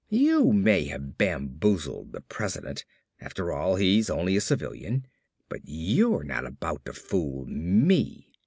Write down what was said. You may have bamboozled the President, after all he's only a civilian, but you're not about to fool me!